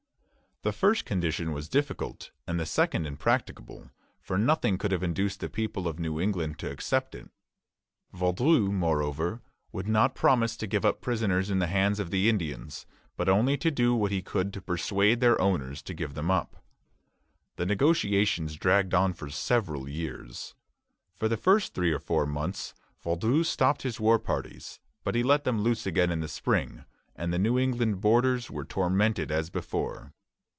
The first condition was difficult, and the second impracticable; for nothing could have induced the people of New England to accept it. Vaudreuil, moreover, would not promise to give up prisoners in the hands of the Indians, but only to do what he could to persuade their owners to give them up. The negotiations dragged on for several years. For the first three or four months Vaudreuil stopped his war parties; but he let them loose again in the spring, and the New England borders were tormented as before.